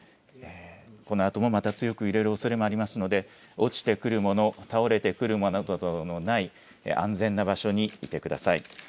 このあともまた強く揺れるおそれもありますので落ちてくるもの、倒れてくるものなどのない安全な場所にいてください。